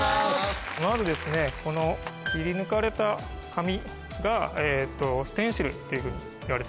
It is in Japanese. まずこの切り抜かれた紙がステンシルっていうふうにいわれてますね。